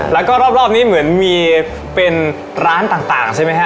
แล้วก็รอบนี้เหมือนมีเป็นร้านต่างใช่ไหมฮะ